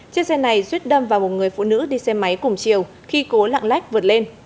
chiếc xe này duyết đâm vào một người phụ nữ đi xe máy cùng chiều khi cố lạng lách vượt lên